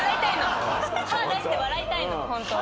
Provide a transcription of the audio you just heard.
歯出して笑いたいのホントは。